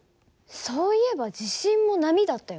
そういえば地震も波だったよね。